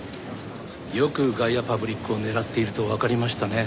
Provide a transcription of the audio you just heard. よくガイアパブリックを狙っているとわかりましたね。